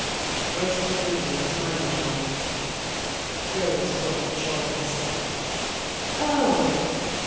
It wastes a good deal of time, you know." Bill was pulled up short, and said, "Oh!"